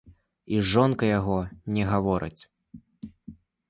І жонка яго не гаворыць.